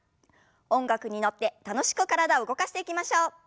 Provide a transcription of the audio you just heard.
音楽に乗って楽しく体動かしていきましょう。